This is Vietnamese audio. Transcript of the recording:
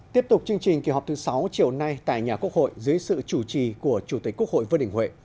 tiếp tục chương trình kỳ họp thứ sáu chiều nay tại nhà quốc hội dưới sự chủ trì của chủ tịch quốc hội vương đình huệ